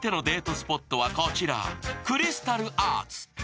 スポットはこちら、クリスタルアーツ。